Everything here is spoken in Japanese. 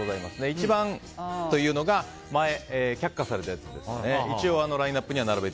１番というのが却下されたやつです。